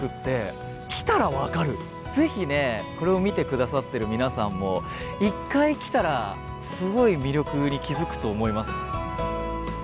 是非ねこれを見てくださってる皆さんも一回来たらすごい魅力に気付くと思います。